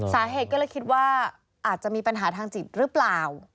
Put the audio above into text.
สาเหตุก็เลยคิดว่าอาจจะมีปัญหาทางจิตหรือเปล่า